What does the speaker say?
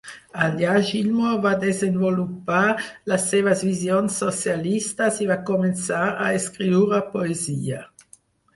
Allà Gilmore va desenvolupar les seves visions socialistes i va començar a escriure poesia.